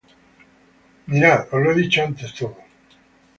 Mas vosotros mirad; os lo he dicho antes todo.